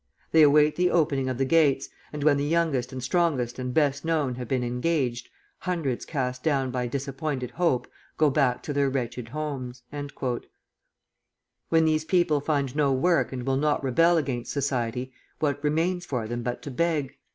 They await the opening of the gates; and, when the youngest and strongest and best known have been engaged, hundreds cast down by disappointed hope, go back to their wretched homes." When these people find no work and will not rebel against society, what remains for them but to beg?